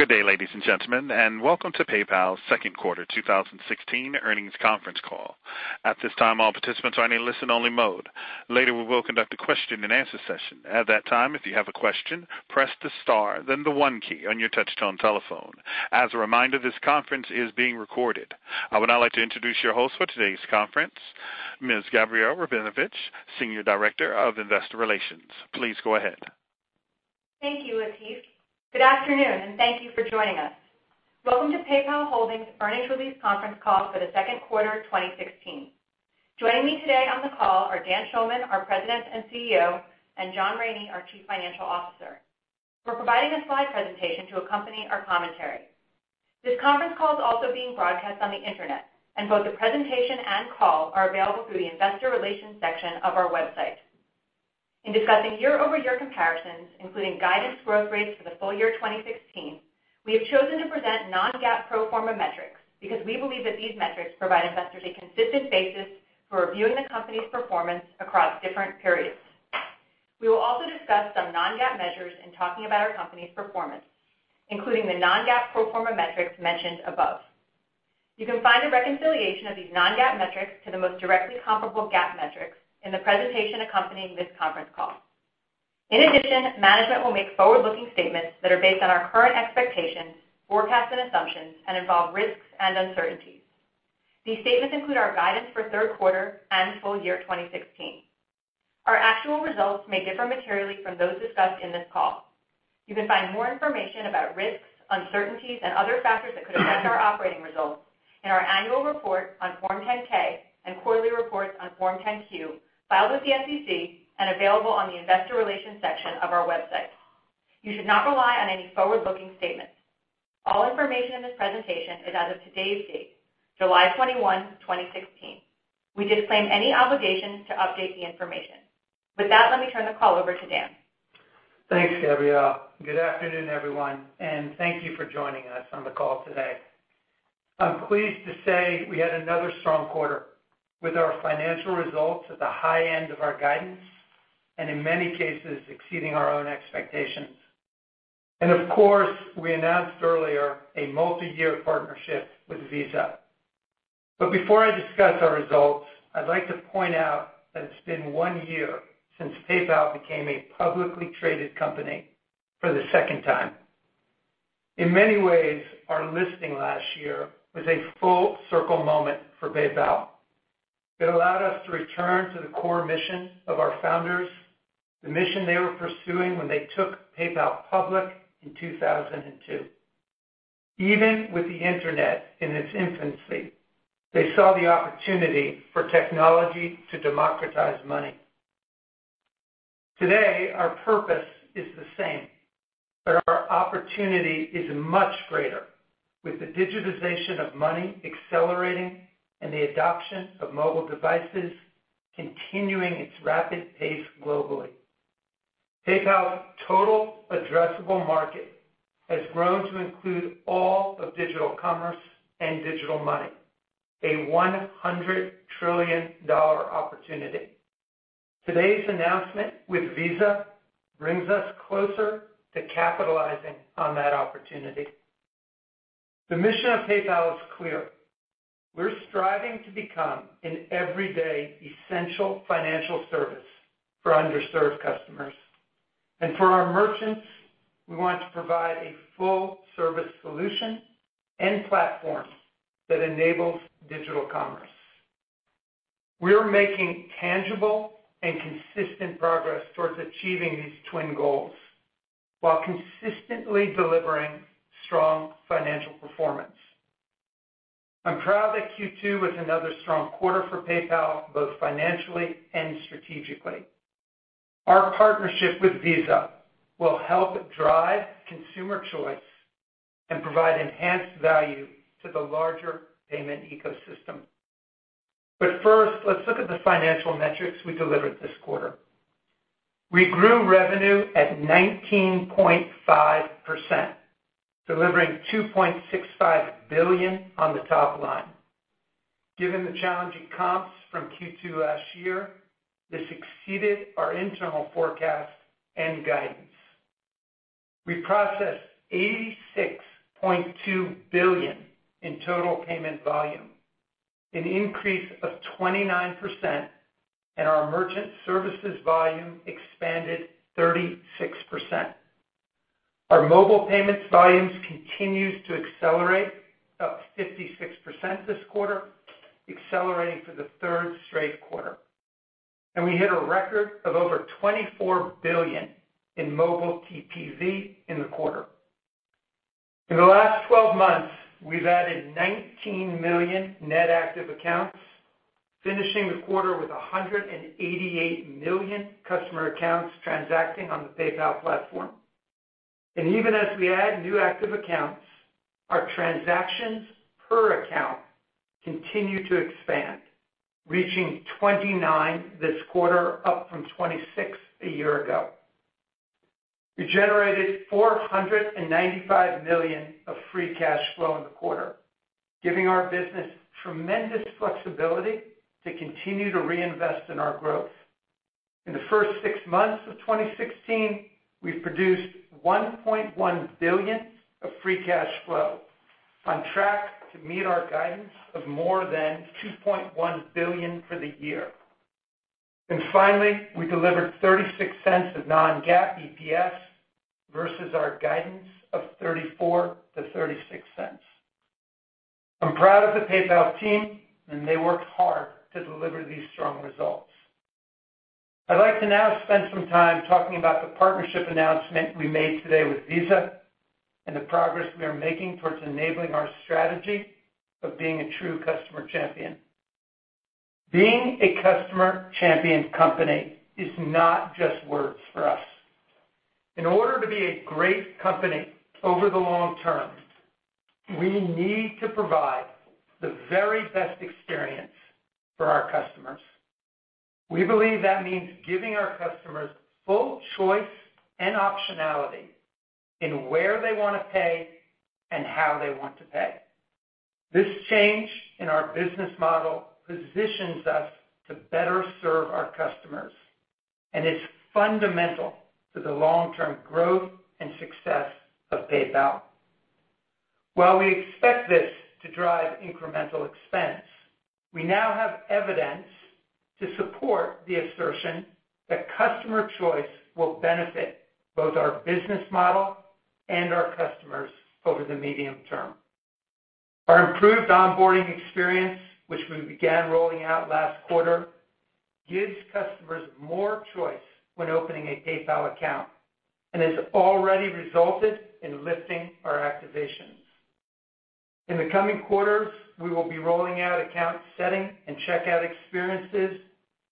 Good day, ladies and gentlemen, and welcome to PayPal's second quarter 2016 earnings conference call. At this time, all participants are in a listen-only mode. Later, we will conduct a question-and-answer session. At that time, if you have a question, press the star then the one key on your touch-tone telephone. As a reminder, this conference is being recorded. I would now like to introduce your host for today's conference, Ms. Gabrielle Rabinovitch, Senior Director, Investor Relations. Please go ahead. Thank you, Lateef. Good afternoon, and thank you for joining us. Welcome to PayPal Holdings' earnings release conference call for the second quarter of 2016. Joining me today on the call are Dan Schulman, our President and CEO, and John Rainey, our Chief Financial Officer. We're providing a slide presentation to accompany our commentary. This conference call is also being broadcast on the internet, and both the presentation and call are available through the investor relations section of our website. In discussing year-over-year comparisons, including guidance growth rates for the full year 2016, we have chosen to present non-GAAP pro forma metrics because we believe that these metrics provide investors a consistent basis for reviewing the company's performance across different periods. We will also discuss some non-GAAP measures in talking about our company's performance, including the non-GAAP pro forma metrics mentioned above. You can find a reconciliation of these non-GAAP metrics to the most directly comparable GAAP metrics in the presentation accompanying this conference call. In addition, management will make forward-looking statements that are based on our current expectations, forecasts, and assumptions and involve risks and uncertainties. These statements include our guidance for the third quarter and full year 2016. Our actual results may differ materially from those discussed in this call. You can find more information about risks, uncertainties, and other factors that could affect our operating results in our annual report on Form 10-K and quarterly reports on Form 10-Q filed with the SEC and available on the investor relations section of our website. You should not rely on any forward-looking statements. All information in this presentation is as of today's date, July 21, 2016. We disclaim any obligation to update the information. With that, let me turn the call over to Dan. Thanks, Gabrielle. Good afternoon, everyone, and thank you for joining us on the call today. I'm pleased to say we had another strong quarter with our financial results at the high end of our guidance and in many cases, exceeding our own expectations. Of course, we announced earlier a multi-year partnership with Visa. Before I discuss our results, I'd like to point out that it's been one year since PayPal became a publicly traded company for the second time. In many ways, our listing last year was a full-circle moment for PayPal. It allowed us to return to the core mission of our founders, the mission they were pursuing when they took PayPal public in 2002. Even with the internet in its infancy, they saw the opportunity for technology to democratize money. Today, our purpose is the same, Our opportunity is much greater with the digitization of money accelerating and the adoption of mobile devices continuing its rapid pace globally. PayPal's total addressable market has grown to include all of digital commerce and digital money, a $100 trillion opportunity. Today's announcement with Visa brings us closer to capitalizing on that opportunity. The mission of PayPal is clear. We're striving to become an everyday essential financial service for underserved customers. For our merchants, we want to provide a full-service solution and platform that enables digital commerce. We are making tangible and consistent progress towards achieving these twin goals while consistently delivering strong financial performance. I'm proud that Q2 was another strong quarter for PayPal, both financially and strategically. Our partnership with Visa will help drive consumer choice and provide enhanced value to the larger payment ecosystem. First, let's look at the financial metrics we delivered this quarter. We grew revenue at 19.5%, delivering $2.65 billion on the top line. Given the challenging comps from Q2 last year, this exceeded our internal forecast and guidance. We processed $86.2 billion in total payment volume, an increase of 29%, and our merchant services volume expanded 36%. Our mobile payments volumes continued to accelerate, up 56% this quarter, accelerating for the third straight quarter. We hit a record of over $24 billion in mobile TPV in the quarter. In the last 12 months, we've added 19 million net active accounts, finishing the quarter with 188 million customer accounts transacting on the PayPal platform. Even as we add new active accounts, our transactions per account continue to expand, reaching 29 this quarter, up from 26 a year ago. We generated $495 million of free cash flow in the quarter, giving our business tremendous flexibility to continue to reinvest in our growth. In the first six months of 2016, we've produced $1.1 billion of free cash flow, on track to meet our guidance of more than $2.1 billion for the year. Finally, we delivered $0.36 of non-GAAP EPS versus our guidance of $0.34 to $0.36. I'm proud of the PayPal team, They worked hard to deliver these strong results. I'd like to now spend some time talking about the partnership announcement we made today with Visa and the progress we are making towards enabling our strategy of being a true customer champion. Being a customer champion company is not just words for us. In order to be a great company over the long term, we need to provide the very best experience for our customers. We believe that means giving our customers full choice and optionality in where they want to pay and how they want to pay. This change in our business model positions us to better serve our customers, and it's fundamental to the long-term growth and success of PayPal. While we expect this to drive incremental expense, we now have evidence to support the assertion that customer choice will benefit both our business model and our customers over the medium term. Our improved onboarding experience, which we began rolling out last quarter, gives customers more choice when opening a PayPal account and has already resulted in lifting our activations. In the coming quarters, we will be rolling out account setting and checkout experiences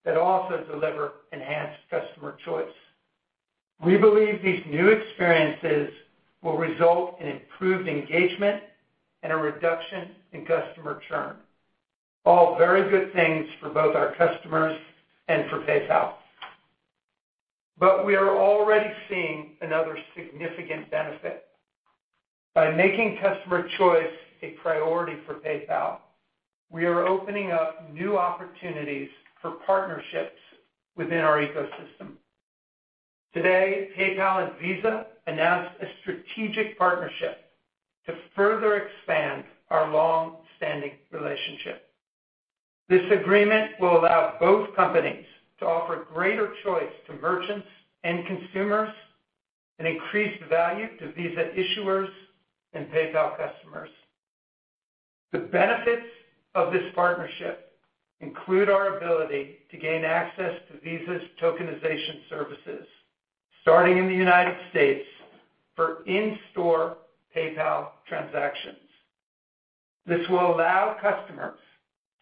that also deliver enhanced customer choice. We believe these new experiences will result in improved engagement and a reduction in customer churn. All very good things for both our customers and for PayPal. We are already seeing another significant benefit. By making customer choice a priority for PayPal, we are opening up new opportunities for partnerships within our ecosystem. Today, PayPal and Visa announced a strategic partnership to further expand our long-standing relationship. This agreement will allow both companies to offer greater choice to merchants and consumers, and increase value to Visa issuers and PayPal customers. The benefits of this partnership include our ability to gain access to Visa's tokenization services, starting in the United States for in-store PayPal transactions. This will allow customers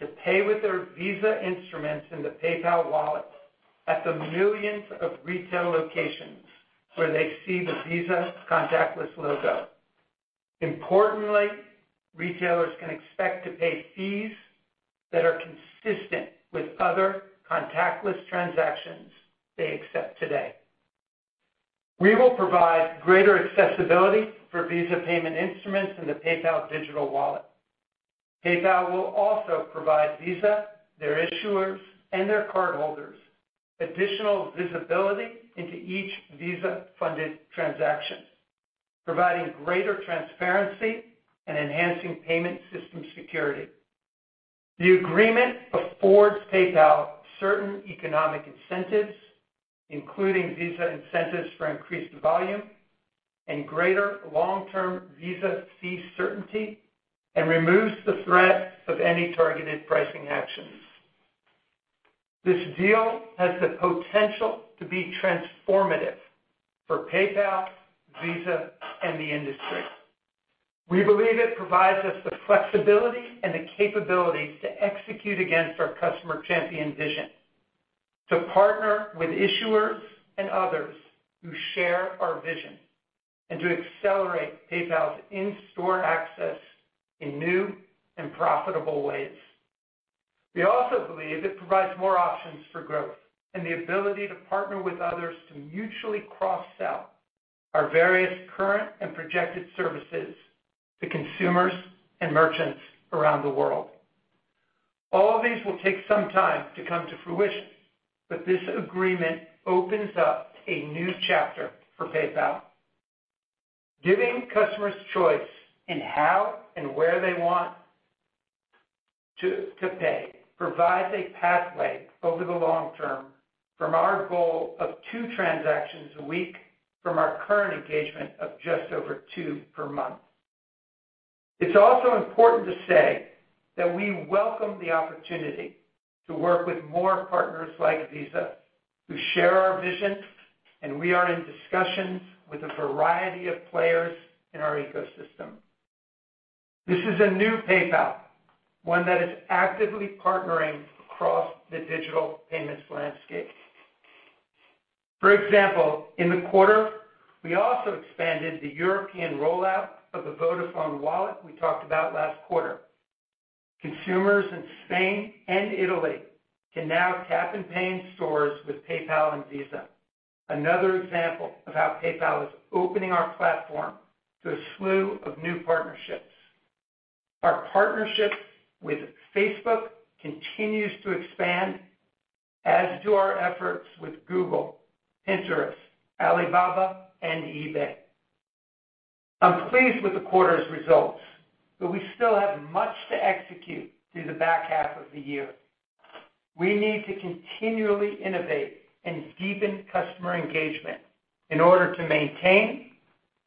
to pay with their Visa instruments in the PayPal wallet at the millions of retail locations where they see the Visa contactless logo. Importantly, retailers can expect to pay fees that are consistent with other contactless transactions they accept today. We will provide greater accessibility for Visa payment instruments in the PayPal digital wallet. PayPal will also provide Visa, their issuers, and their cardholders additional visibility into each Visa-funded transaction, providing greater transparency and enhancing payment system security. The agreement affords PayPal certain economic incentives, including Visa incentives for increased volume and greater long-term Visa fee certainty, and removes the threat of any targeted pricing actions. This deal has the potential to be transformative for PayPal, Visa, and the industry. We believe it provides us the flexibility and the capabilities to execute against our customer champion vision, to partner with issuers and others who share our vision, and to accelerate PayPal's in-store access in new and profitable ways. We also believe it provides more options for growth and the ability to partner with others to mutually cross-sell our various current and projected services to consumers and merchants around the world. All of these will take some time to come to fruition. This agreement opens up a new chapter for PayPal. Giving customers choice in how and where they want to pay provides a pathway over the long term from our goal of two transactions a week from our current engagement of just over two per month. It's also important to say that we welcome the opportunity to work with more partners like Visa, who share our vision, and we are in discussions with a variety of players in our ecosystem. This is a new PayPal, one that is actively partnering across the digital payments landscape. For example, in the quarter, we also expanded the European rollout of the Vodafone Wallet we talked about last quarter. Consumers in Spain and Italy can now tap and pay in stores with PayPal and Visa. Another example of how PayPal is opening our platform to a slew of new partnerships. Our partnership with Facebook continues to expand, as do our efforts with Google, Pinterest, Alibaba, and eBay. I'm pleased with the quarter's results. We still have much to execute through the back half of the year. We need to continually innovate and deepen customer engagement in order to maintain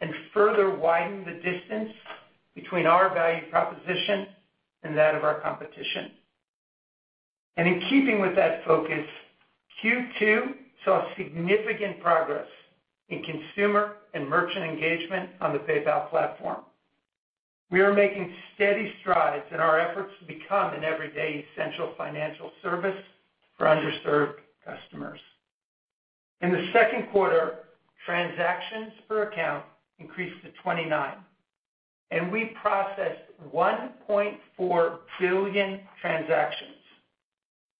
and further widen the distance between our value proposition and that of our competition. In keeping with that focus, Q2 saw significant progress in consumer and merchant engagement on the PayPal platform. We are making steady strides in our efforts to become an everyday essential financial service for underserved customers. In the second quarter, transactions per account increased to 29, and we processed 1.4 billion transactions,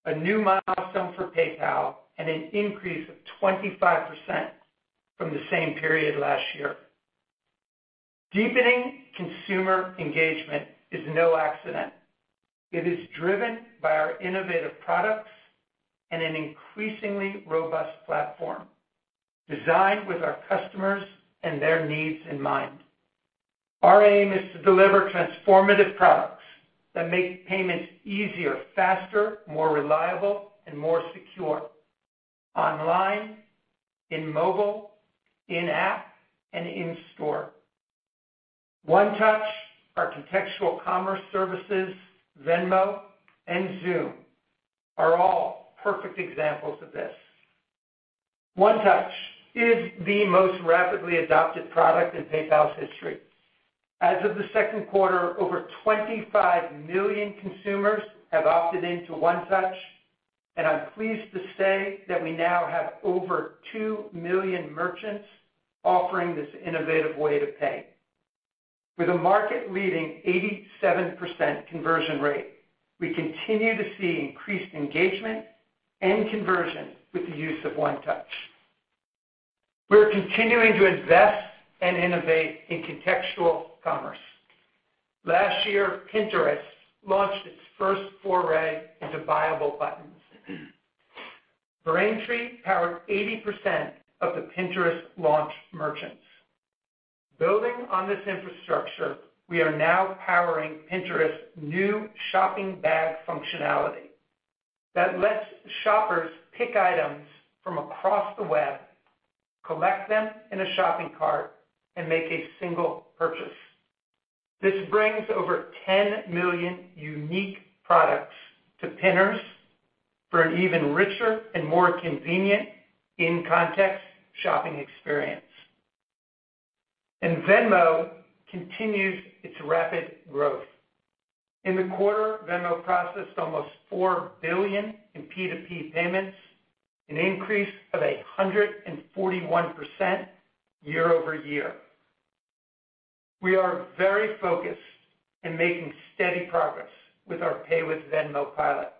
a new milestone for PayPal and an increase of 25% from the same period last year. Deepening consumer engagement is no accident. It is driven by our innovative products and an increasingly robust platform designed with our customers and their needs in mind. Our aim is to deliver transformative products that make payments easier, faster, more reliable, and more secure online, in mobile, in-app, and in-store. One Touch, our contextual commerce services, Venmo, and Xoom are all perfect examples of this. One Touch is the most rapidly adopted product in PayPal's history. As of the second quarter, over 25 million consumers have opted into One Touch, and I'm pleased to say that we now have over 2 million merchants offering this innovative way to pay. With a market-leading 87% conversion rate, we continue to see increased engagement and conversion with the use of One Touch. We're continuing to invest and innovate in contextual commerce. Last year, Pinterest launched its first foray into buyable buttons. Braintree powered 80% of the Pinterest launch merchants. Building on this infrastructure, we are now powering Pinterest's new shopping bag functionality that lets shoppers pick items from across the web, collect them in a shopping cart, and make a single purchase. This brings over 10 million unique products to Pinners for an even richer and more convenient in-context shopping experience. Venmo continues its rapid growth. In the quarter, Venmo processed almost 4 billion in P2P payments, an increase of 141% year-over-year. We are very focused in making steady progress with our Pay with Venmo pilot.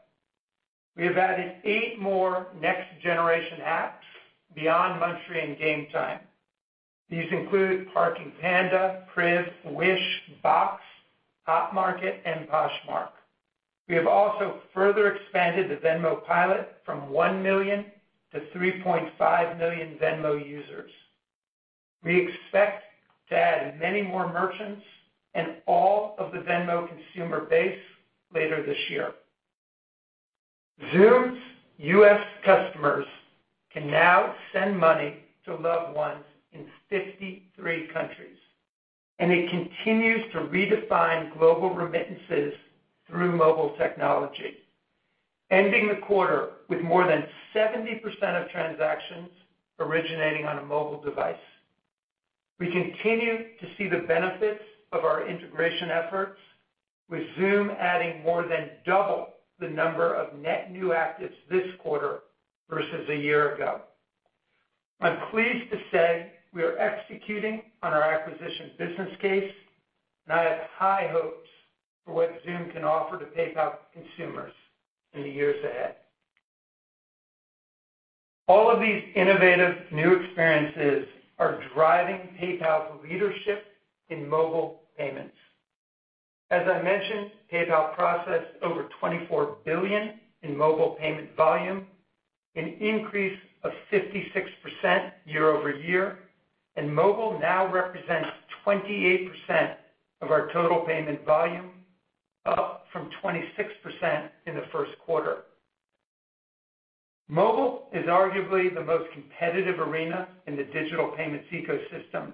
We have added eight more next-generation apps beyond Munchery and Gametime. These include Parking Panda, Crib, Wish, Box, Hotmart, and Poshmark. We have also further expanded the Venmo pilot from 1 million to 3.5 million Venmo users. We expect to add many more merchants and all of the Venmo consumer base later this year. Xoom's U.S. customers can now send money to loved ones in 53 countries. It continues to redefine global remittances through mobile technology, ending the quarter with more than 70% of transactions originating on a mobile device. We continue to see the benefits of our integration efforts, with Xoom adding more than double the number of net new actives this quarter versus a year ago. I'm pleased to say we are executing on our acquisition business case. I have high hopes for what Xoom can offer to PayPal consumers in the years ahead. All of these innovative new experiences are driving PayPal's leadership in mobile payments. As I mentioned, PayPal processed over $24 billion in mobile payment volume, an increase of 56% year-over-year. Mobile now represents 28% of our total payment volume, up from 26% in the first quarter. Mobile is arguably the most competitive arena in the digital payments ecosystem.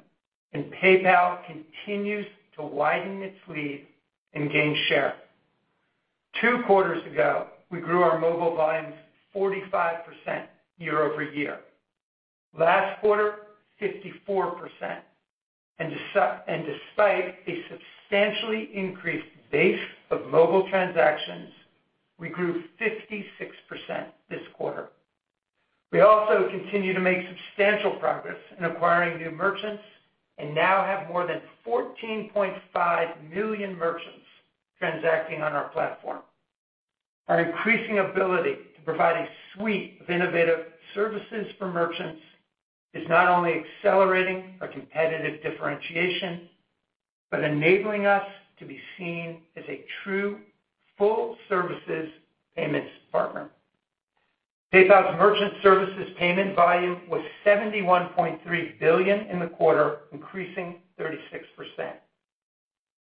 PayPal continues to widen its lead and gain share. Two quarters ago, we grew our mobile volumes 45% year-over-year. Last quarter, 54%. Despite a substantially increased base of mobile transactions, we grew 56% this quarter. We also continue to make substantial progress in acquiring new merchants. Now have more than 14.5 million merchants transacting on our platform. Our increasing ability to provide a suite of innovative services for merchants is not only accelerating our competitive differentiation, but enabling us to be seen as a true full-services payments partner. PayPal's merchant services payment volume was $71.3 billion in the quarter, increasing 36%.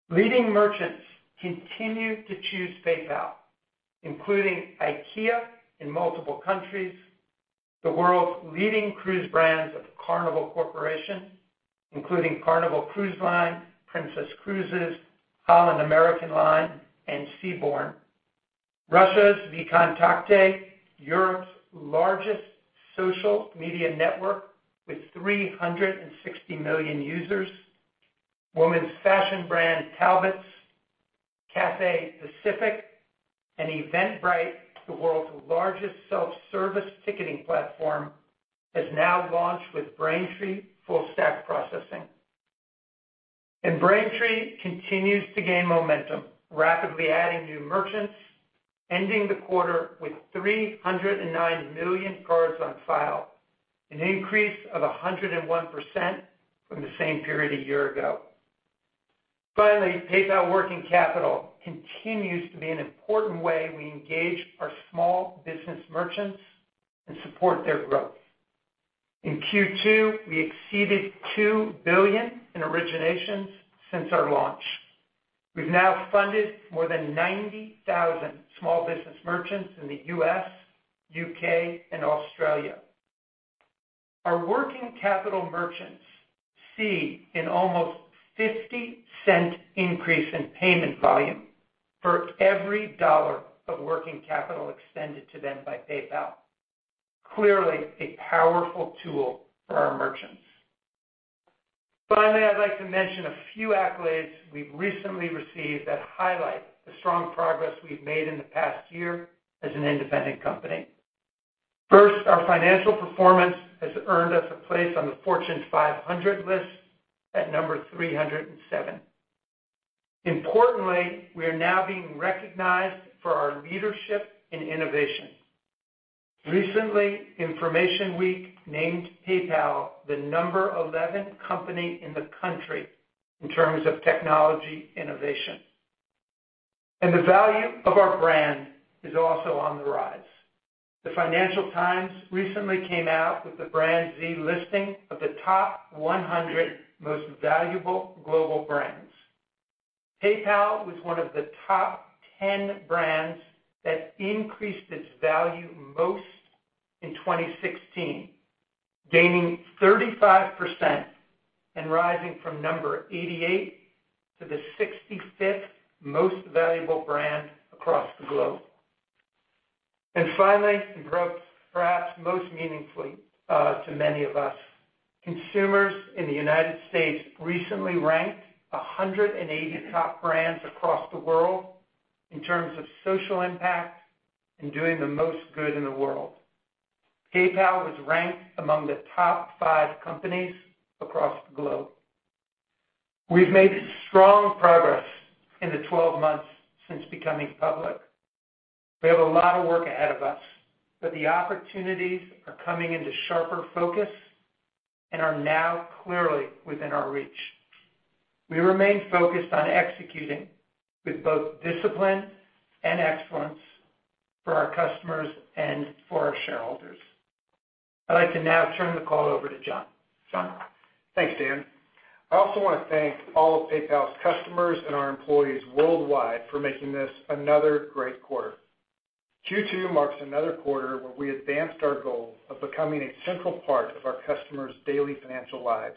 Leading merchants continue to choose PayPal, including IKEA in multiple countries, the world's leading cruise brands of Carnival Corporation, including Carnival Cruise Line, Princess Cruises, Holland America Line, and Seabourn. Russia's VKontakte, Europe's largest social media network with 360 million users. Women's fashion brand, Talbots, Cathay Pacific, and Eventbrite, the world's largest self-service ticketing platform, has now launched with Braintree full-stack processing. Braintree continues to gain momentum, rapidly adding new merchants, ending the quarter with 309 million cards on file, an increase of 101% from the same period a year ago. Finally, PayPal Working Capital continues to be an important way we engage our small business merchants and support their growth. In Q2, we exceeded $2 billion in originations since our launch. We've now funded more than 90,000 small business merchants in the U.S., U.K., and Australia. Our working capital merchants see an almost $0.50 increase in payment volume for every dollar of working capital extended to them by PayPal. Clearly, a powerful tool for our merchants. Finally, I'd like to mention a few accolades we've recently received that highlight the strong progress we've made in the past year as an independent company. First, our financial performance has earned us a place on the Fortune 500 list at number 307. Importantly, we are now being recognized for our leadership in innovation. Recently, InformationWeek named PayPal the number 11 company in the country in terms of technology innovation. The value of our brand is also on the rise. The Financial Times recently came out with the BrandZ listing of the top 100 most valuable global brands. PayPal was one of the top 10 brands that increased its value most in 2016, gaining 35% and rising from number 88 to the 65th most valuable brand across the globe. Finally, and perhaps most meaningfully, to many of us, consumers in the United States recently ranked 180 top brands across the world in terms of social impact and doing the most good in the world. PayPal was ranked among the top five companies across the globe. We've made strong progress in the 12 months since becoming public. We have a lot of work ahead of us. The opportunities are coming into sharper focus and are now clearly within our reach. We remain focused on executing with both discipline and excellence for our customers and for our shareholders. I'd like to now turn the call over to John. John? Thanks, Dan. I also want to thank all of PayPal's customers and our employees worldwide for making this another great quarter. Q2 marks another quarter where we advanced our goal of becoming a central part of our customers' daily financial lives,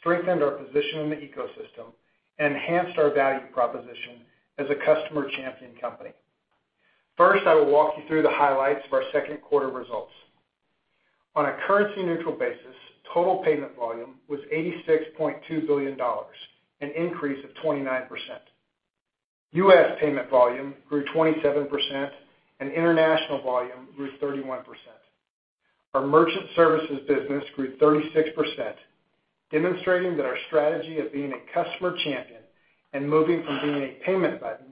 strengthened our position in the ecosystem, enhanced our value proposition as a customer champion company. First, I will walk you through the highlights of our second quarter results. On a currency-neutral basis, total payment volume was $86.2 billion, an increase of 29%. U.S. payment volume grew 27%, and international volume grew 31%. Our merchant services business grew 36%, demonstrating that our strategy of being a customer champion and moving from being a payment button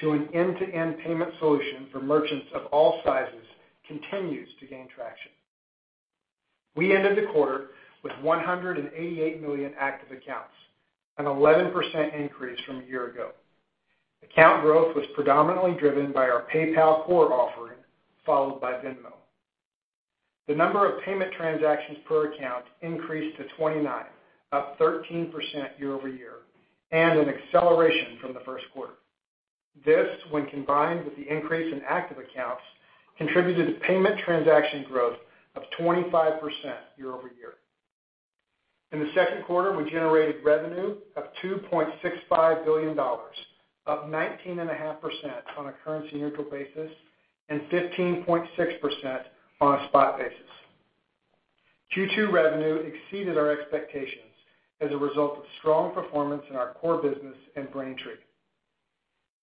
to an end-to-end payment solution for merchants of all sizes continues to gain traction. We ended the quarter with 188 million active accounts, an 11% increase from a year ago. Account growth was predominantly driven by our PayPal Core offering, followed by Venmo. The number of payment transactions per account increased to 29, up 13% year-over-year, and an acceleration from the first quarter. This, when combined with the increase in active accounts, contributed to payment transaction growth of 25% year-over-year. In the second quarter, we generated revenue of $2.65 billion, up 19.5% on a currency-neutral basis, and 15.6% on a spot basis. Q2 revenue exceeded our expectations as a result of strong performance in our core business and Braintree.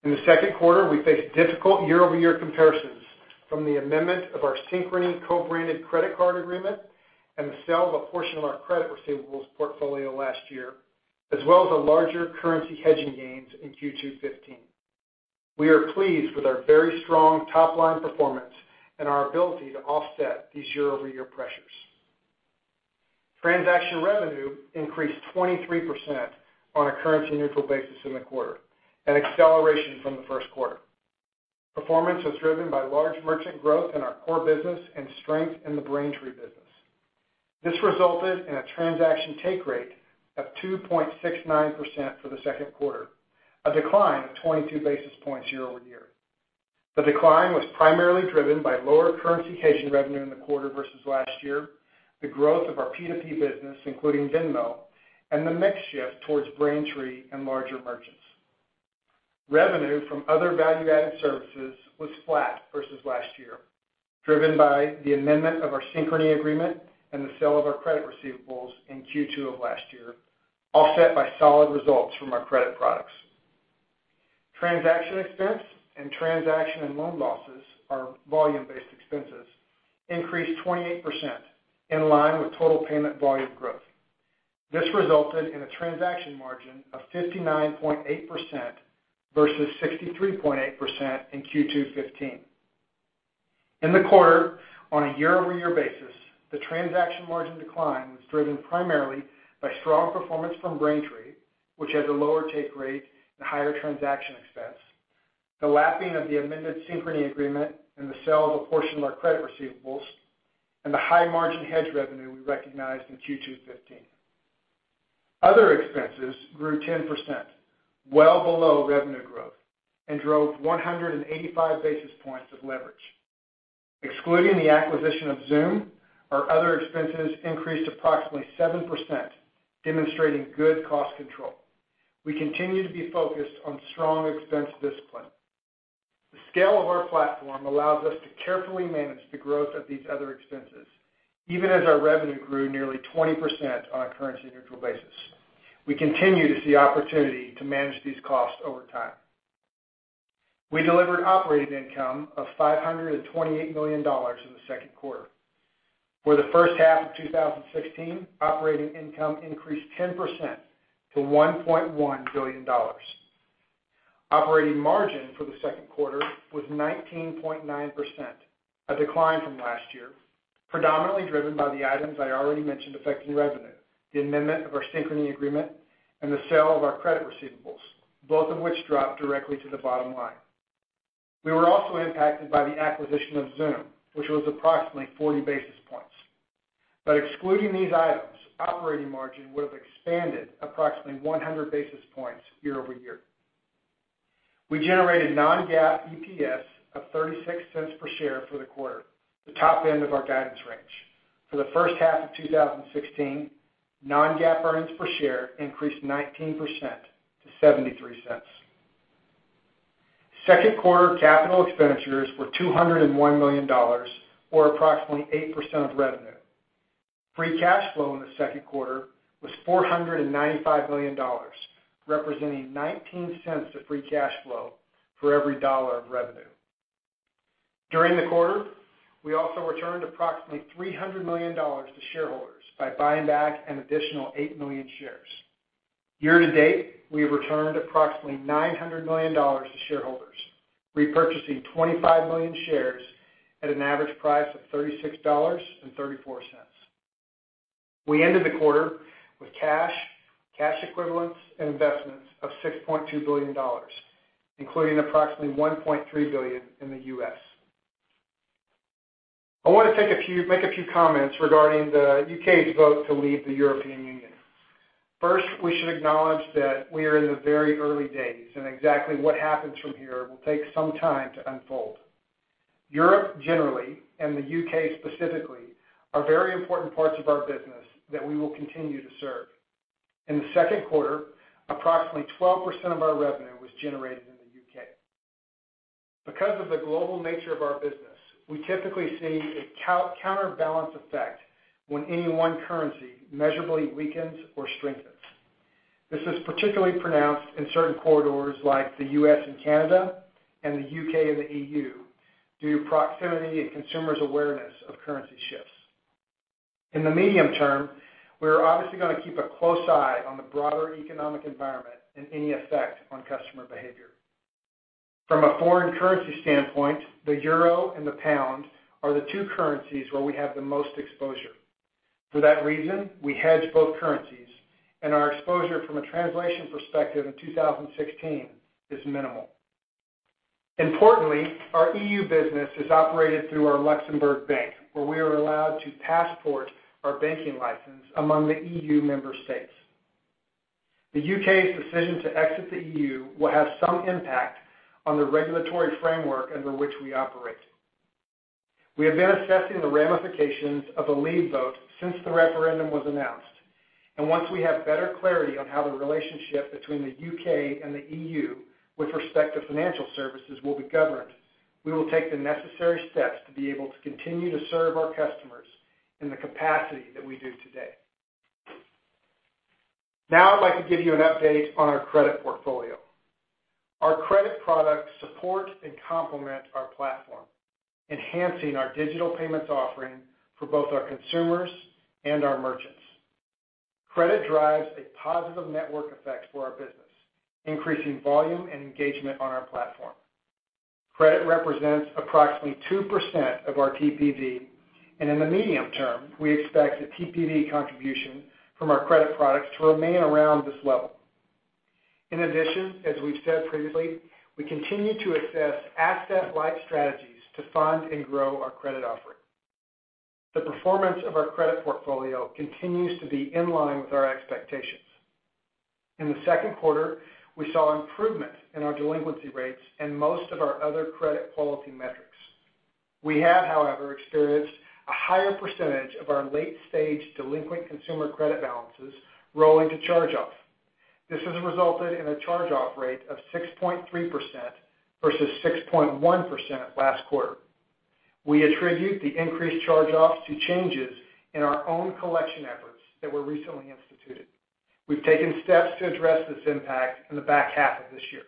In the second quarter, we faced difficult year-over-year comparisons from the amendment of our Synchrony co-branded credit card agreement and the sale of a portion of our credit receivables portfolio last year, as well as larger currency hedging gains in Q2 2015. We are pleased with our very strong top-line performance and our ability to offset these year-over-year pressures. Transaction revenue increased 23% on a currency-neutral basis in the quarter, an acceleration from the first quarter. Performance was driven by large merchant growth in our core business and strength in the Braintree business. This resulted in a transaction take rate of 2.69% for the second quarter, a decline of 22 basis points year-over-year. The decline was primarily driven by lower currency hedging revenue in the quarter versus last year, the growth of our P2P business, including Venmo, and the mix shift towards Braintree and larger merchants. Revenue from other value-added services was flat versus last year, driven by the amendment of our Synchrony agreement and the sale of our credit receivables in Q2 of last year, offset by solid results from our credit products. Transaction expense and transaction and loan losses, our volume-based expenses, increased 28%, in line with total payment volume growth. This resulted in a transaction margin of 59.8% versus 63.8% in Q2 2015. In the quarter, on a year-over-year basis, the transaction margin decline was driven primarily by strong performance from Braintree, which has a lower take rate and higher transaction expense, the lapping of the amended Synchrony agreement and the sale of a portion of our credit receivables, and the high margin hedge revenue we recognized in Q2 2015. Other expenses grew 10%, well below revenue growth, and drove 185 basis points of leverage. Excluding the acquisition of Xoom, our other expenses increased approximately 7%, demonstrating good cost control. We continue to be focused on strong expense discipline. The scale of our platform allows us to carefully manage the growth of these other expenses, even as our revenue grew nearly 20% on a currency-neutral basis. We continue to see opportunity to manage these costs over time. We delivered operating income of $528 million in the second quarter. For the first half of 2016, operating income increased 10% to $1.1 billion. Operating margin for the second quarter was 19.9%, a decline from last year, predominantly driven by the items I already mentioned affecting revenue, the amendment of our Synchrony agreement and the sale of our credit receivables, both of which dropped directly to the bottom line. We were also impacted by the acquisition of Xoom, which was approximately 40 basis points. Excluding these items, operating margin would've expanded approximately 100 basis points year-over-year. We generated non-GAAP EPS of $0.36 per share for the quarter, the top end of our guidance range. For the first half of 2016, non-GAAP earnings per share increased 19% to $0.73. Second quarter capital expenditures were $201 million, or approximately 8% of revenue. Free cash flow in the second quarter was $495 million, representing $0.19 of free cash flow for every dollar of revenue. During the quarter, we also returned approximately $300 million to shareholders by buying back an additional 8 million shares. Year-to-date, we have returned approximately $900 million to shareholders, repurchasing 25 million shares at an average price of $36.34. We ended the quarter with cash equivalents, and investments of $6.2 billion, including approximately $1.3 billion in the U.S. I want to make a few comments regarding the U.K.'s vote to leave the European Union. First, we should acknowledge that we are in the very early days, and exactly what happens from here will take some time to unfold. Europe generally, and the U.K. specifically, are very important parts of our business that we will continue to serve. In the second quarter, approximately 12% of our revenue was generated in the U.K. Because of the global nature of our business, we typically see a counterbalance effect when any one currency measurably weakens or strengthens. This is particularly pronounced in certain corridors like the U.S. and Canada and the U.K. and the EU, due to proximity and consumers' awareness of currency shifts. In the medium term, we're obviously going to keep a close eye on the broader economic environment and any effect on customer behavior. From a foreign currency standpoint, the euro and the pound are the two currencies where we have the most exposure. For that reason, we hedge both currencies, and our exposure from a translation perspective in 2016 is minimal. Importantly, our EU business is operated through our Luxembourg bank, where we are allowed to passport our banking license among the EU member states. The U.K.'s decision to exit the EU will have some impact on the regulatory framework under which we operate. We have been assessing the ramifications of a leave vote since the referendum was announced, and once we have better clarity on how the relationship between the U.K. and the EU with respect to financial services will be governed, we will take the necessary steps to be able to continue to serve our customers in the capacity that we do today. Now I'd like to give you an update on our credit portfolio. Our credit products support and complement our platform, enhancing our digital payments offering for both our consumers and our merchants. Credit drives a positive network effect for our business, increasing volume and engagement on our platform. Credit represents approximately 2% of our TPV, and in the medium term, we expect the TPV contribution from our credit products to remain around this level. In addition, as we've said previously, we continue to assess asset-light strategies to fund and grow our credit offering. The performance of our credit portfolio continues to be in line with our expectations. In the second quarter, we saw improvement in our delinquency rates and most of our other credit quality metrics. We have, however, experienced a higher percentage of our late-stage delinquent consumer credit balances rolling to charge-off. This has resulted in a charge-off rate of 6.3% versus 6.1% last quarter. We attribute the increased charge-offs to changes in our own collection efforts that were recently instituted. We've taken steps to address this impact in the back half of this year.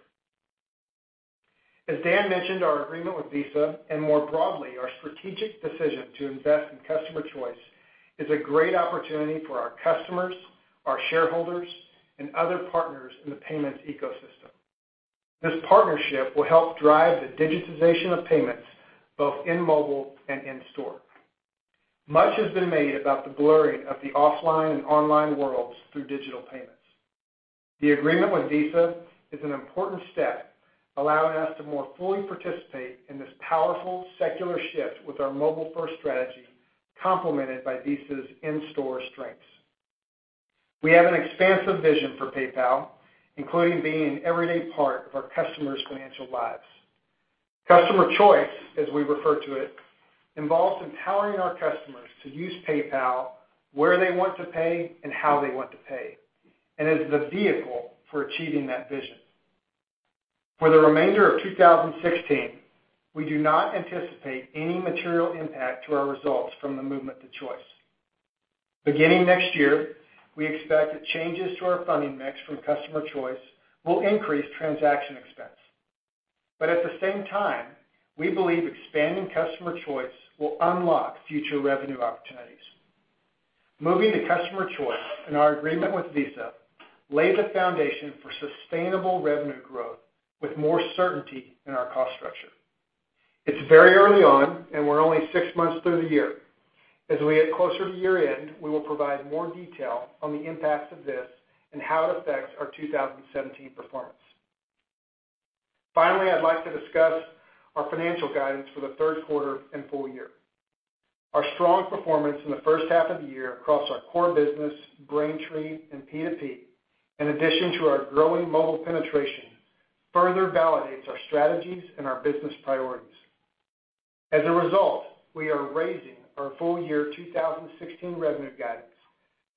As Dan mentioned, our agreement with Visa, and more broadly, our strategic decision to invest in customer choice, is a great opportunity for our customers, our shareholders, and other partners in the payments ecosystem. This partnership will help drive the digitization of payments both in mobile and in-store. Much has been made about the blurring of the offline and online worlds through digital payments. The agreement with Visa is an important step, allowing us to more fully participate in this powerful secular shift with our mobile-first strategy, complemented by Visa's in-store strengths. We have an expansive vision for PayPal, including being an everyday part of our customers' financial lives. Customer choice, as we refer to it, involves empowering our customers to use PayPal where they want to pay and how they want to pay, and is the vehicle for achieving that vision. For the remainder of 2016, we do not anticipate any material impact to our results from the movement to Choice. Beginning next year, we expect that changes to our funding mix from customer Choice will increase transaction expense. At the same time, we believe expanding customer Choice will unlock future revenue opportunities. Moving to customer Choice and our agreement with Visa lay the foundation for sustainable revenue growth with more certainty in our cost structure. It's very early on, and we're only six months through the year. As we get closer to year-end, we will provide more detail on the impacts of this and how it affects our 2017 performance. Finally, I'd like to discuss our financial guidance for the third quarter and full year. Our strong performance in the first half of the year across our core business, Braintree, and P2P, in addition to our growing mobile penetration, further validates our strategies and our business priorities. As a result, we are raising our full-year 2016 revenue guidance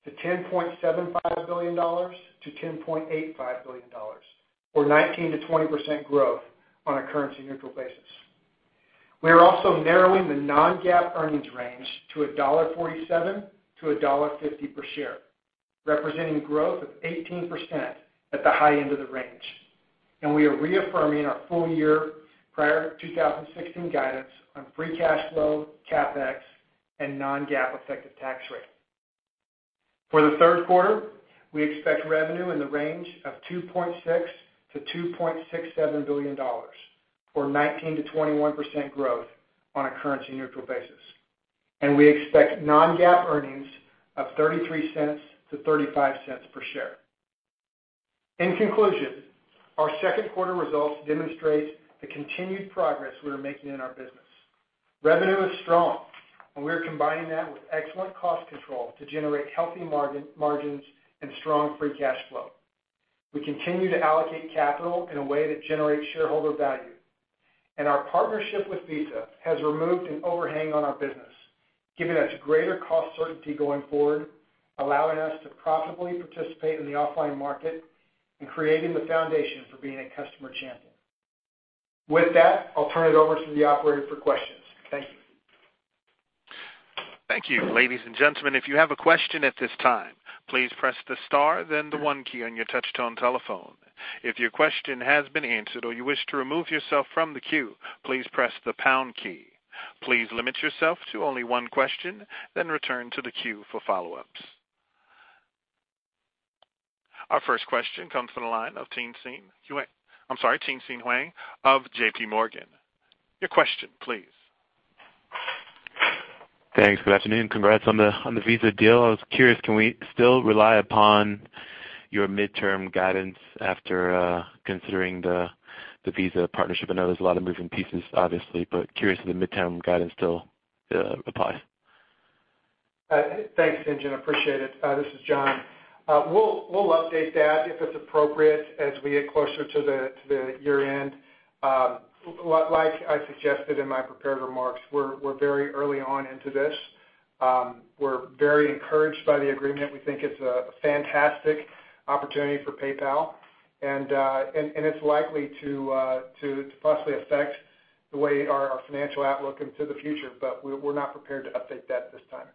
to $10.75 billion-$10.85 billion, or 19%-20% growth on a currency neutral basis. We are also narrowing the non-GAAP earnings range to $1.47-$1.50 per share, representing growth of 18% at the high end of the range. We are reaffirming our full-year prior 2016 guidance on free cash flow, CapEx, and non-GAAP effective tax rate. For the third quarter, we expect revenue in the range of $2.6 billion-$2.67 billion, or 19%-21% growth on a currency neutral basis. We expect non-GAAP earnings of $0.33 to $0.35 per share. In conclusion, our second quarter results demonstrate the continued progress we are making in our business. Revenue is strong, and we are combining that with excellent cost control to generate healthy margins and strong free cash flow. We continue to allocate capital in a way that generates shareholder value. Our partnership with Visa has removed an overhang on our business, giving us greater cost certainty going forward, allowing us to profitably participate in the offline market, and creating the foundation for being a customer champion. With that, I'll turn it over to the operator for questions. Thank you. Thank you. Ladies and gentlemen, if you have a question at this time, please press the star then the one key on your touch-tone telephone. If your question has been answered or you wish to remove yourself from the queue, please press the pound key. Please limit yourself to only one question, then return to the queue for follow-ups. Our first question comes from the line of Tien-Tsin Huang of J.P. Morgan. Your question, please. Thanks. Good afternoon. Congrats on the Visa deal. I was curious, can we still rely upon your midterm guidance after considering the Visa partnership? I know there's a lot of moving pieces, obviously, but curious if the midterm guidance still applies. Thanks, Tien-Tsin. Appreciate it. This is John. We'll update that if it's appropriate as we get closer to the year-end. Like I suggested in my prepared remarks, we're very early on into this. We're very encouraged by the agreement. We think it's fantastic opportunity for PayPal. It's likely to firstly affect the way our financial outlook into the future, but we're not prepared to update that at this time.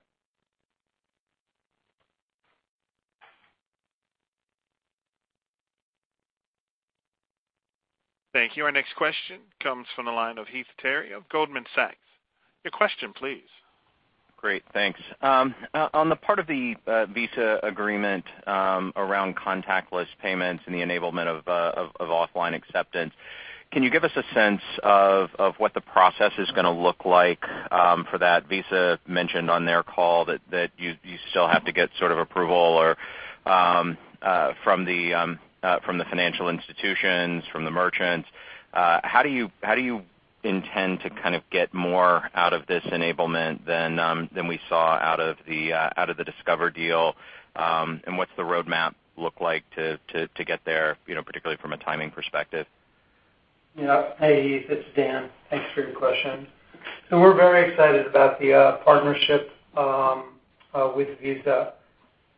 Thank you. Our next question comes from the line of Heath Terry of Goldman Sachs. Your question please. Great, thanks. On the part of the Visa agreement around contactless payments and the enablement of offline acceptance, can you give us a sense of what the process is going to look like for that? Visa mentioned on their call that you still have to get sort of approval or from the financial institutions, from the merchants. How do you intend to kind of get more out of this enablement than we saw out of the Discover deal? What's the roadmap look like to get there, particularly from a timing perspective? Yeah. Hey, Heath, it's Dan. Thanks for your question. We're very excited about the partnership with Visa.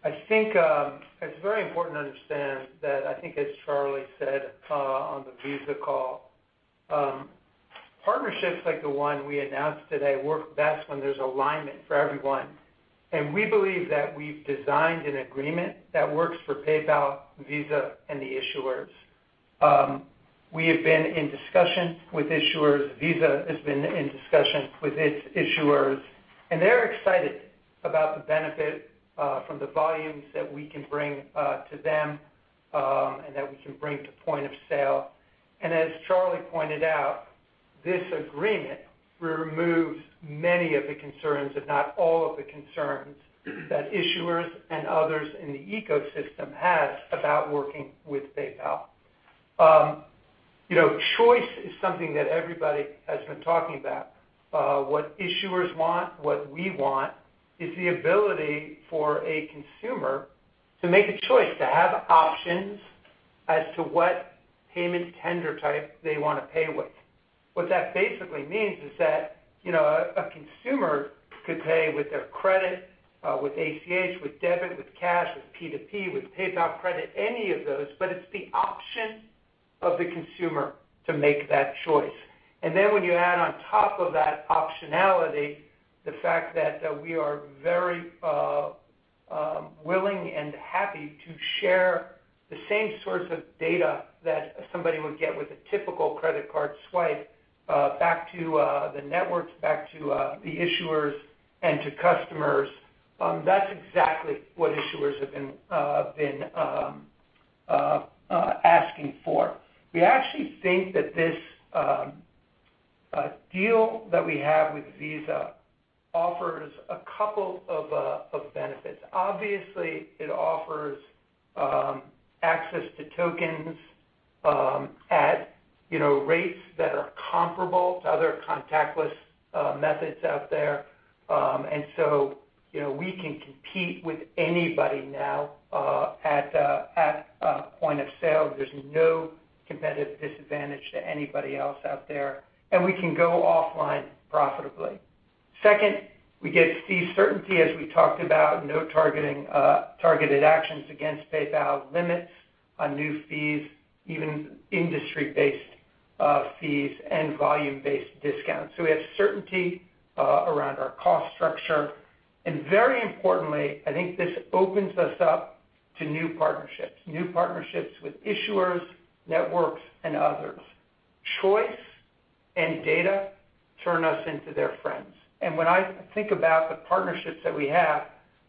I think it's very important to understand that, I think as Charlie said on the Visa call, partnerships like the one we announced today work best when there's alignment for everyone. We believe that we've designed an agreement that works for PayPal, Visa, and the issuers. We have been in discussion with issuers. Visa has been in discussion with its issuers, and they're excited about the benefit from the volumes that we can bring to them, and that we can bring to point of sale. As Charlie pointed out, this agreement removes many of the concerns, if not all of the concerns that issuers and others in the ecosystem has about working with PayPal. Choice is something that everybody has been talking about. What issuers want, what we want is the ability for a consumer to make a choice, to have options as to what payment tender type they want to pay with. What that basically means is that a consumer could pay with their credit, with ACH, with debit, with cash, with P2P, with PayPal Credit, any of those, but it's the option of the consumer to make that choice. Then when you add on top of that optionality, the fact that we are very willing and happy to share the same sorts of data that somebody would get with a typical credit card swipe back to the networks, back to the issuers and to customers. That's exactly what issuers have been asking for. We actually think that this deal that we have with Visa offers a couple of benefits. Obviously, it offers access to tokens at rates that are comparable to other contactless methods out there. We can compete with anybody now at point of sale. There's no competitive disadvantage to anybody else out there, and we can go offline profitably. Second, we get fee certainty as we talked about, no targeted actions against PayPal, limits on new fees, even industry-based fees and volume-based discounts. We have certainty around our cost structure. Very importantly, I think this opens us up to new partnerships. New partnerships with issuers, networks, and others. Choice and data turn us into their friends. When I think about the partnerships that we have,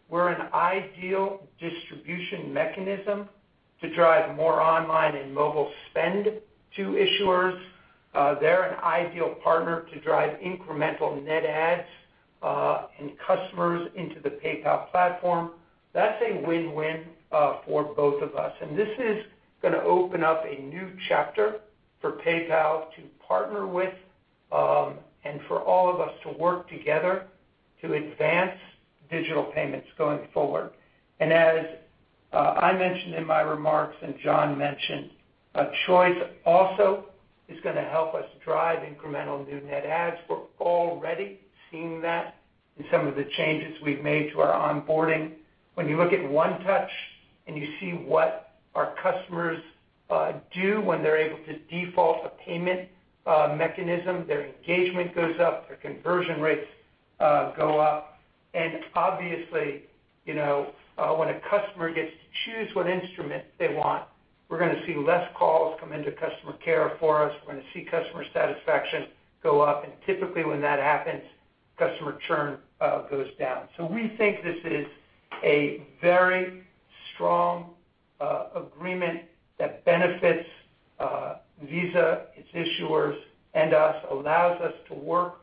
we're an ideal distribution mechanism to drive more online and mobile spend to issuers. They're an ideal partner to drive incremental net adds and customers into the PayPal platform. That's a win-win for both of us. This is going to open up a new chapter for PayPal to partner with, and for all of us to work together to advance digital payments going forward. As I mentioned in my remarks, and John mentioned, choice also is going to help us drive incremental new net adds. We're already seeing that in some of the changes we've made to our onboarding. When you look at One Touch and you see what our customers do when they're able to default a payment mechanism, their engagement goes up, their conversion rates go up. Obviously, when a customer gets to choose what instrument they want, we're going to see less calls come into customer care for us, we're going to see customer satisfaction go up, and typically when that happens, customer churn goes down. We think this is a very strong agreement that benefits Visa, its issuers, and us. Allows us to work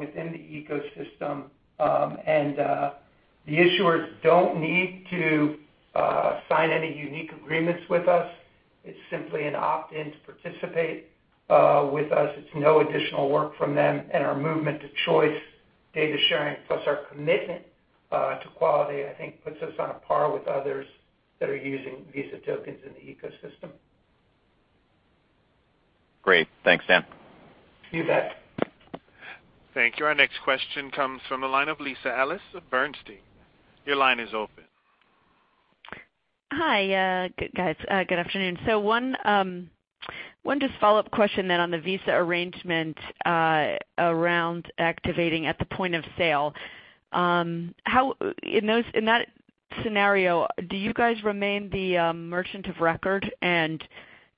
within the ecosystem. The issuers don't need to sign any unique agreements with us. It's simply an opt-in to participate with us. It's no additional work from them. Our movement to choice data sharing plus our commitment to quality, I think puts us on a par with others that are using Visa tokens in the ecosystem. Great. Thanks, Dan. You bet. Thank you. Our next question comes from the line of Lisa Ellis of Bernstein. Your line is open. Hi, guys. Good afternoon. One just follow-up question then on the Visa arrangement around activating at the point of sale. In that scenario, do you guys remain the merchant of record and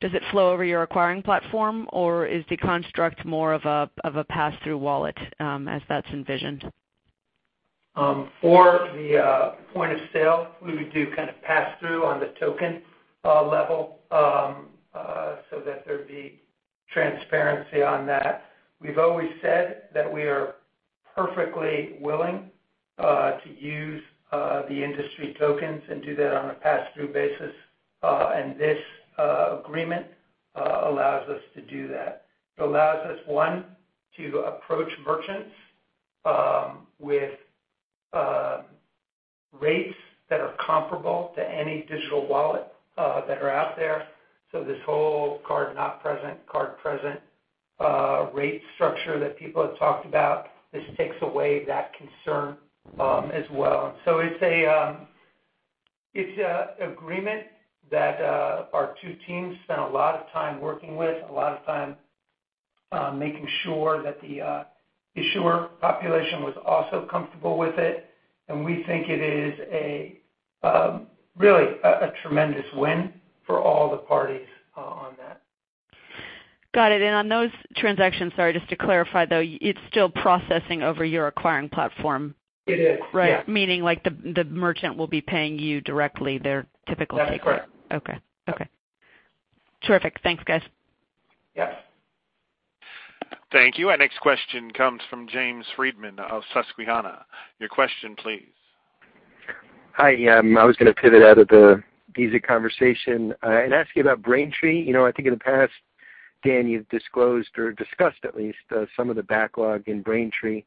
does it flow over your acquiring platform, or is the construct more of a pass-through wallet as that's envisioned? For the point of sale, we would do kind of pass-through on the token level so that there'd be transparency on that. We've always said that we are perfectly willing to use the industry tokens and do that on a pass-through basis. This agreement allows us to do that. It allows us, one, to approach merchants with rates that are comparable to any digital wallet that are out there. This whole card not present, card present rate structure that people have talked about, this takes away that concern as well. It's an agreement that our two teams spent a lot of time working with, a lot of time making sure that the issuer population was also comfortable with it, and we think it is really a tremendous win for all the parties on that. Got it. On those transactions, sorry, just to clarify, though, it's still processing over your acquiring platform? It is. Right. Meaning the merchant will be paying you directly their typical take. That is correct. Okay. Terrific. Thanks, guys. Yes. Thank you. Our next question comes from James Friedman of Susquehanna. Your question, please. Hi. I was going to pivot out of the Visa conversation and ask you about Braintree. I think in the past, Dan, you've disclosed or discussed at least some of the backlog in Braintree.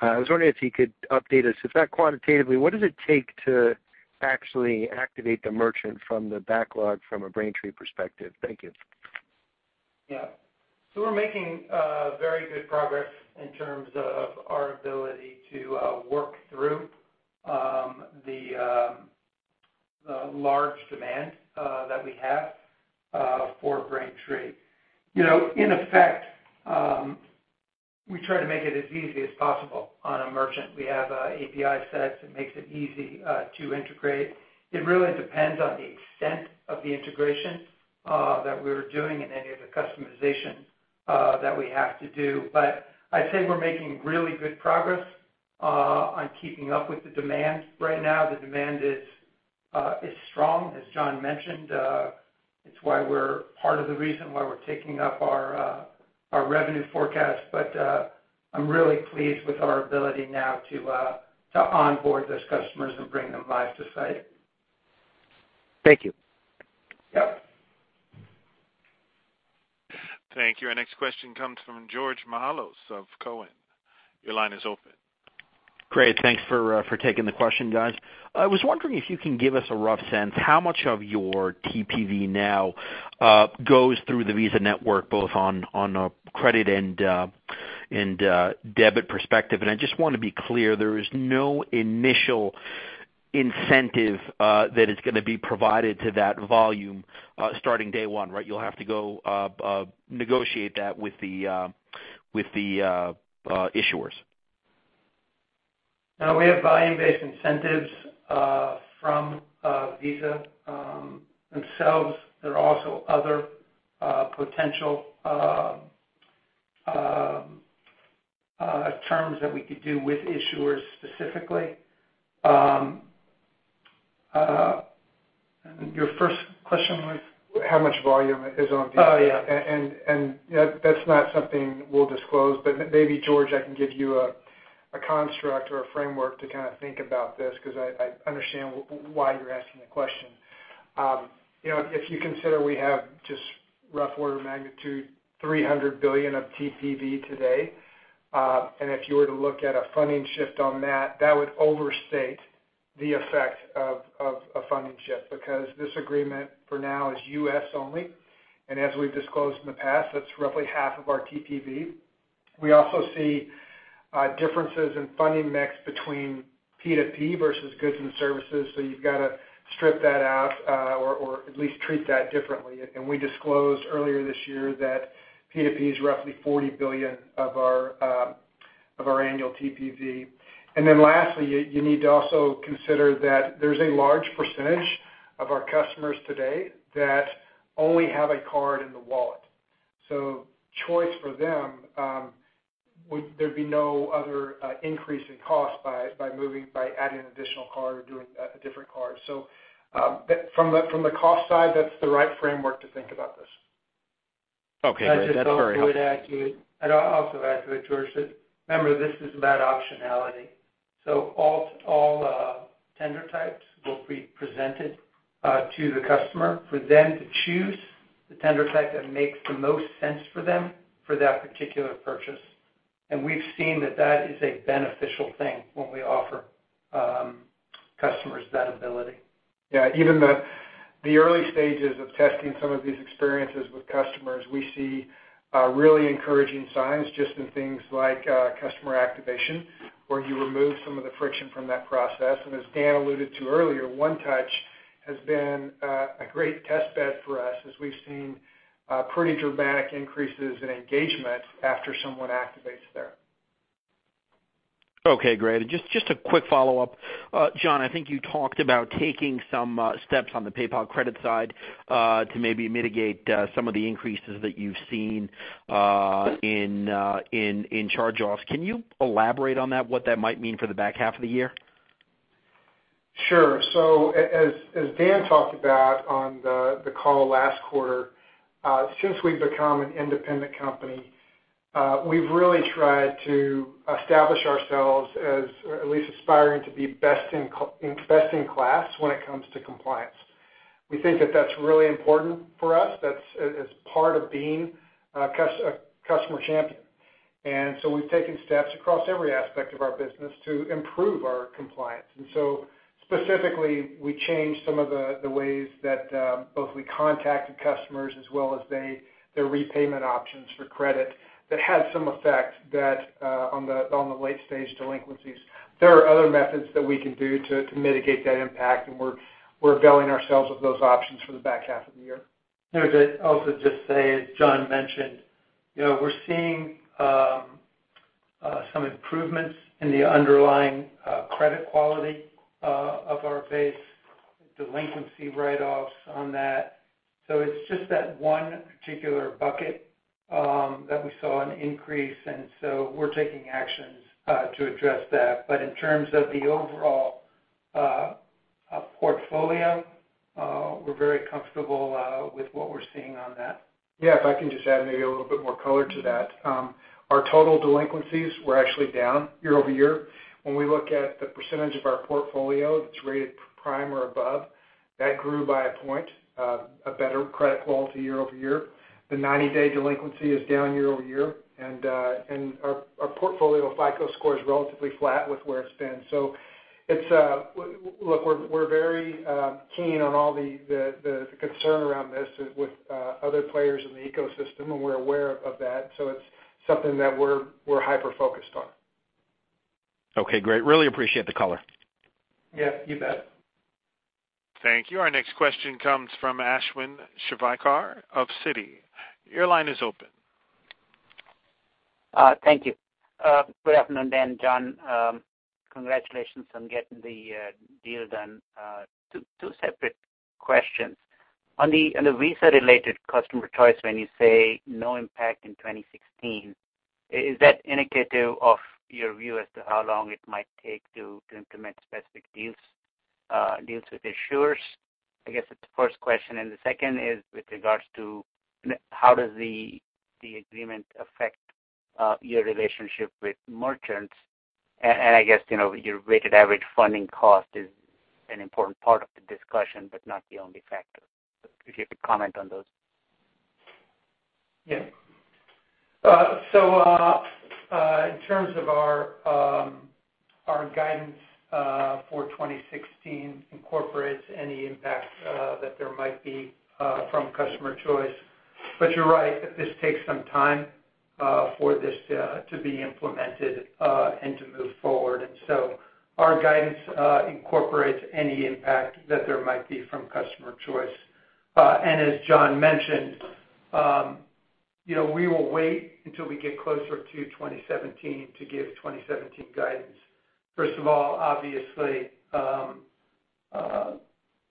I was wondering if you could update us, if not quantitatively, what does it take to actually activate the merchant from the backlog from a Braintree perspective? Thank you. Yeah. We're making very good progress in terms of our ability to work through the large demand that we have for Braintree. In effect, we try to make it as easy as possible on a merchant. We have API sets that makes it easy to integrate. It really depends on the extent of the integration that we're doing and any of the customization that we have to do. I'd say we're making really good progress on keeping up with the demand right now. The demand is strong, as John mentioned. It's part of the reason why we're taking up our revenue forecast. I'm really pleased with our ability now to onboard those customers and bring them live to site. Thank you. Yep. Thank you. Our next question comes from George Mihalos of Cowen. Your line is open. Great. Thanks for taking the question, guys. I was wondering if you can give us a rough sense how much of your TPV now goes through the Visa network, both on a credit and debit perspective. I just want to be clear, there is no initial incentive that is going to be provided to that volume starting day one, right? You'll have to go negotiate that with the issuers. No, we have volume-based incentives from Visa themselves. There are also other potential terms that we could do with issuers specifically. Your first question was? How much volume is on Visa. Oh, yeah. That's not something we'll disclose, but maybe George, I can give you a construct or a framework to kind of think about this because I understand why you're asking the question. If you consider we have just rough order of magnitude, $300 billion of TPV today, and if you were to look at a funding shift on that would overstate the effect of a funding shift because this agreement for now is U.S. only. As we've disclosed in the past, that's roughly half of our TPV. We also see differences in funding mix between P2P versus goods and services, so you've got to strip that out or at least treat that differently. We disclosed earlier this year that P2P is roughly $40 billion of our annual TPV. Lastly, you need to also consider that there's a large percentage of our customers today that only have a card in the wallet. Choice for them, there'd be no other increase in cost by adding an additional card or doing a different card. From the cost side, that's the right framework to think about this. Okay, great. That's very helpful. I'd also add to it, George, that remember, this is about optionality. All tender types will be presented to the customer for them to choose the tender type that makes the most sense for them for that particular purchase. We've seen that that is a beneficial thing when we offer customers that ability. Yeah. Even the early stages of testing some of these experiences with customers, we see really encouraging signs just in things like customer activation, where you remove some of the friction from that process. As Dan alluded to earlier, One Touch has been a great test bed for us as we've seen pretty dramatic increases in engagement after someone activates there. Okay, great. Just a quick follow-up. John, I think you talked about taking some steps on the PayPal Credit side to maybe mitigate some of the increases that you've seen in charge-offs. Can you elaborate on that, what that might mean for the back half of the year? As Dan talked about on the call last quarter, since we've become an independent company, we've really tried to establish ourselves as at least aspiring to be best in class when it comes to compliance. We think that that's really important for us. That's as part of being a customer champion. We've taken steps across every aspect of our business to improve our compliance. Specifically, we changed some of the ways that both we contacted customers as well as their repayment options for credit. That had some effect on the late-stage delinquencies. There are other methods that we can do to mitigate that impact, and we're availing ourselves of those options for the back half of the year. I'll also just say, as John mentioned, we're seeing some improvements in the underlying credit quality of our base, delinquency write-offs on that. It's just that one particular bucket that we saw an increase, we're taking actions to address that. In terms of the overall portfolio, we're very comfortable with what we're seeing on that. Yeah, if I can just add maybe a little bit more color to that. Our total delinquencies were actually down year-over-year. When we look at the percentage of our portfolio that's rated prime or above, that grew by a point, a better credit quality year-over-year. The 90-day delinquency is down year-over-year, and our portfolio FICO score is relatively flat with where it's been. Look, we're very keen on all the concern around this with other players in the ecosystem, and we're aware of that. It's something that we're hyper-focused on. Okay, great. Really appreciate the color. Yeah, you bet. Thank you. Our next question comes from Ashwin Shirvaikar of Citi. Your line is open. Thank you. Good afternoon, Dan, John. Congratulations on getting the deal done. Two separate questions. On the Visa-related customer choice, when you say no impact in 2016, is that indicative of your view as to how long it might take to implement specific deals with issuers? I guess that's the first question. The second is with regards to how does the agreement affect your relationship with merchants, and I guess, your weighted average funding cost is an important part of the discussion, but not the only factor. If you could comment on those. Yeah. In terms of our guidance for 2016 incorporates any impact that there might be from customer choice. You're right, that this takes some time for this to be implemented, and to move forward. Our guidance incorporates any impact that there might be from customer choice. As John mentioned, we will wait until we get closer to 2017 to give 2017 guidance. First of all, obviously,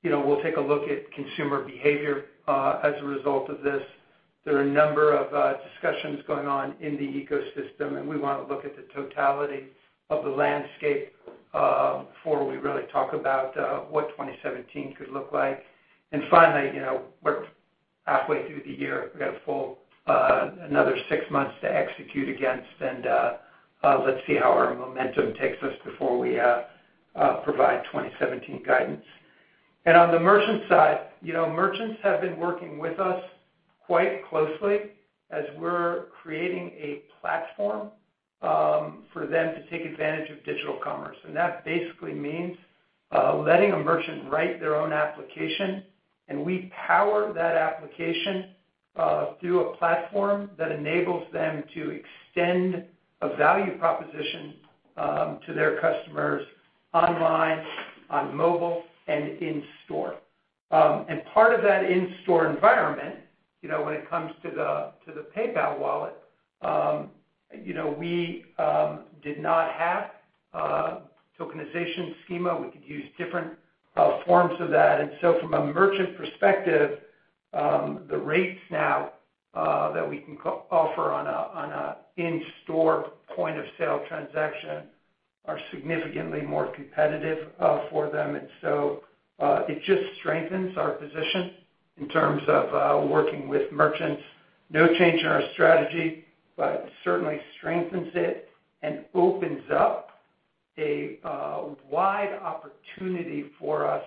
we'll take a look at consumer behavior, as a result of this. There are a number of discussions going on in the ecosystem, and we want to look at the totality of the landscape before we really talk about what 2017 could look like. Finally, we're halfway through the year. We've got a full another six months to execute against, and let's see how our momentum takes us before we provide 2017 guidance. On the merchant side, merchants have been working with us quite closely as we're creating a platform for them to take advantage of digital commerce. That basically means letting a merchant write their own application, and we power that application through a platform that enables them to extend a value proposition to their customers online, on mobile, and in store. Part of that in-store environment, when it comes to the PayPal wallet, we did not have a tokenization schema. We could use different forms of that. From a merchant perspective, the rates now that we can offer on a in-store point-of-sale transaction are significantly more competitive for them. It just strengthens our position in terms of working with merchants. No change in our strategy, but certainly strengthens it and opens up a wide opportunity for us.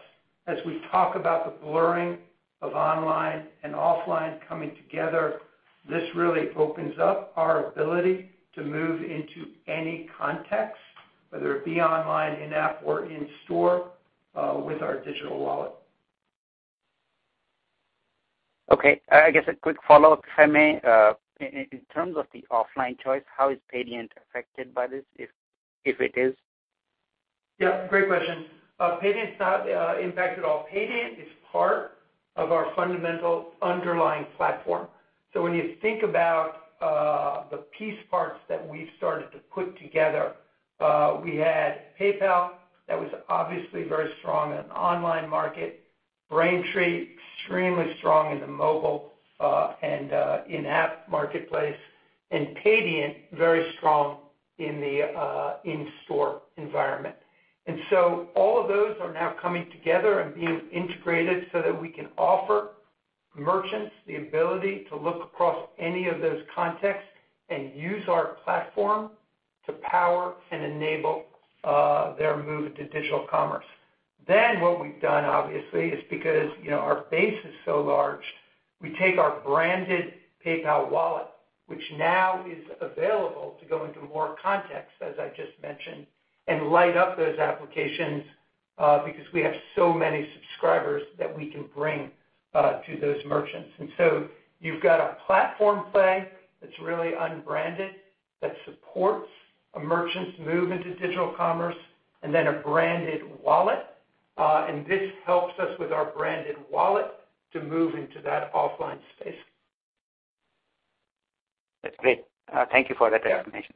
As we talk about the blurring of online and offline coming together, this really opens up our ability to move into any context, whether it be online, in-app, or in-store, with our digital wallet. Okay. I guess a quick follow-up, if I may. In terms of the offline choice, how is Paydiant affected by this, if it is? Yeah, great question. Paydiant's not impacted at all. Paydiant is part of our fundamental underlying platform. When you think about the piece parts that we've started to put together, we had PayPal, that was obviously very strong in the online market, Braintree, extremely strong in the mobile and in-app marketplace, and Paydiant, very strong in the in-store environment. All of those are now coming together and being integrated so that we can offer merchants the ability to look across any of those contexts and use our platform to power and enable their move to digital commerce. What we've done, obviously, is because our base is so large, we take our branded PayPal wallet, which now is available to go into more contexts, as I just mentioned, and light up those applications because we have so many subscribers that we can bring to those merchants. You've got a platform play that's really unbranded, that supports a merchant's move into digital commerce, and then a branded wallet. This helps us with our branded wallet to move into that offline space. That's great. Thank you for that clarification.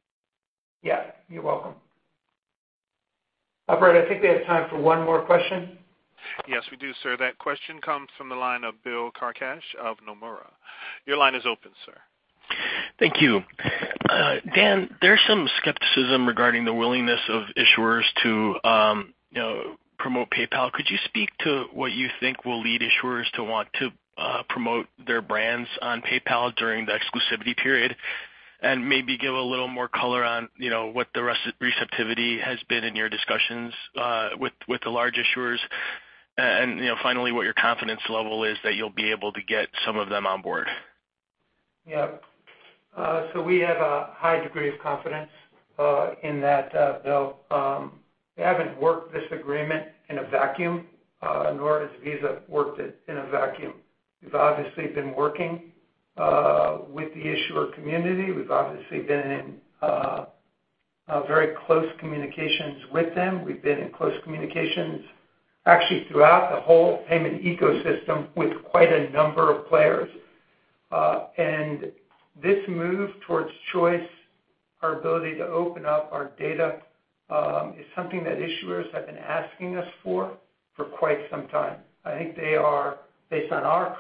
Yeah. You're welcome. Operator, I think we have time for one more question. Yes, we do, sir. That question comes from the line of Bill Carcache of Nomura. Your line is open, sir. Thank you. Dan, there's some skepticism regarding the willingness of issuers to promote PayPal. Could you speak to what you think will lead issuers to want to promote their brands on PayPal during the exclusivity period? Maybe give a little more color on what the receptivity has been in your discussions with the large issuers. Finally, what your confidence level is that you'll be able to get some of them on board. Yeah. We have a high degree of confidence in that, Bill. We haven't worked this agreement in a vacuum, nor has Visa worked it in a vacuum. We've obviously been working with the issuer community. We've obviously been in very close communications with them. We've been in close communications actually throughout the whole payment ecosystem with quite a number of players. This move towards choice, our ability to open up our data, is something that issuers have been asking us for quite some time. I think they are, based on our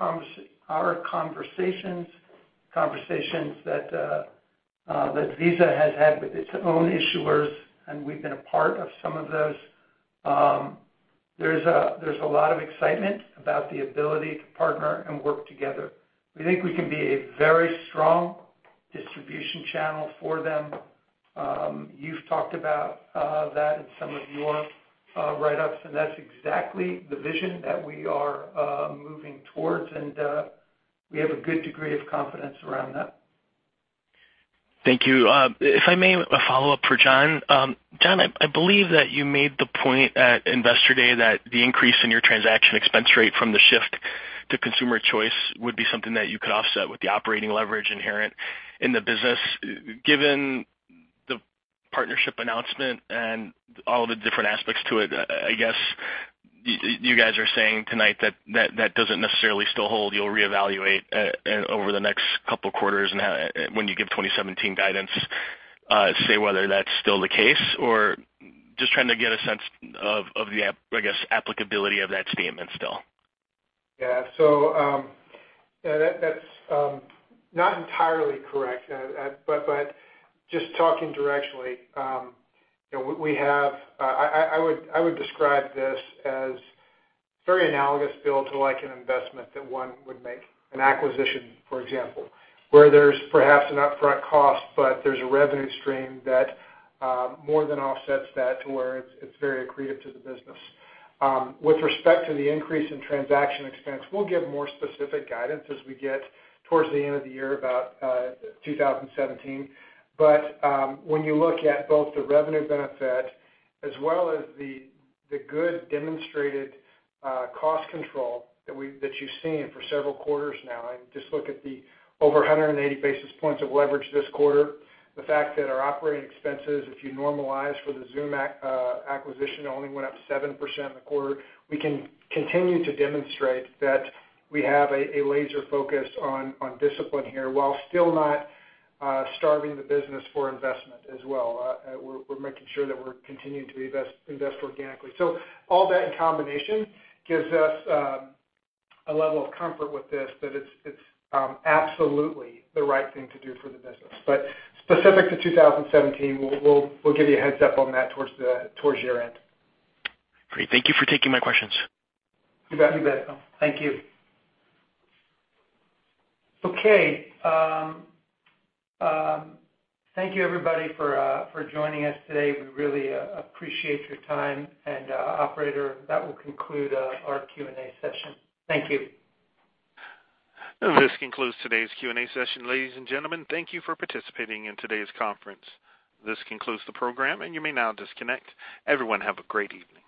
conversations that Visa has had with its own issuers, and we've been a part of some of those. There's a lot of excitement about the ability to partner and work together. We think we can be a very strong distribution channel for them. You've talked about that in some of your write-ups, that's exactly the vision that we are moving towards, we have a good degree of confidence around that. Thank you. If I may, a follow-up for John. John, I believe that you made the point at Investor Day that the increase in your transaction expense rate from the shift to consumer choice would be something that you could offset with the operating leverage inherent in the business. Given the partnership announcement and all the different aspects to it, I guess you guys are saying tonight that that doesn't necessarily still hold. You'll reevaluate over the next couple quarters, when you give 2017 guidance, say whether that's still the case? Just trying to get a sense of the, I guess, applicability of that statement still. That's not entirely correct. Just talking directionally, I would describe this as very analogous, Bill, to an investment that one would make, an acquisition, for example, where there's perhaps an upfront cost, but there's a revenue stream that more than offsets that to where it's very accretive to the business. With respect to the increase in transaction expense, we'll give more specific guidance as we get towards the end of the year about 2017. When you look at both the revenue benefit as well as the good demonstrated cost control that you've seen for several quarters now, just look at the over 180 basis points of leverage this quarter. The fact that our operating expenses, if you normalize for the Xoom acquisition, only went up 7% in the quarter. We can continue to demonstrate that we have a laser focus on discipline here while still not starving the business for investment as well. We're making sure that we're continuing to invest organically. All that in combination gives us a level of comfort with this that it's absolutely the right thing to do for the business. Specific to 2017, we'll give you a heads up on that towards year-end. Great. Thank you for taking my questions. You bet, Bill. Thank you. Okay. Thank you, everybody, for joining us today. We really appreciate your time. Operator, that will conclude our Q&A session. Thank you. This concludes today's Q&A session. Ladies and gentlemen, thank you for participating in today's conference. This concludes the program, and you may now disconnect. Everyone, have a great evening.